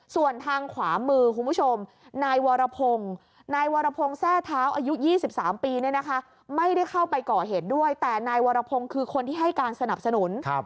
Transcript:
ส่วนทางขวามือคุณผู้ชมนายวรพงศ์นายวรพงศ์แทร่เท้าอายุ๒๓ปีเนี่ยนะคะไม่ได้เข้าไปก่อเหตุด้วยแต่นายวรพงศ์คือคนที่ให้การสนับสนุน